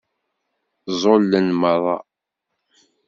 Ẓẓulen meṛṛa.